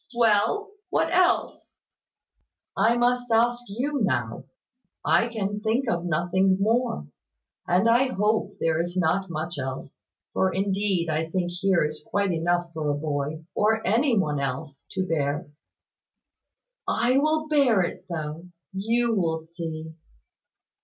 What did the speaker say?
"Well, what else?" "I must ask you now. I can think of nothing more; and I hope there is not much else; for indeed I think here is quite enough for a boy or any one else to bear." "I will bear it, though, you will see."